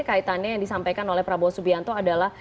kaitannya yang disampaikan oleh prabowo subianto adalah